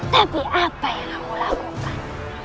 tapi apa yang kamu lakukan